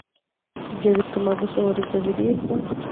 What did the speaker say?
Ibyo bituma gusohora ibyo biribwa